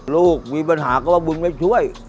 ลูกมีปัญหาก็ว่าบุญไม่ช่วย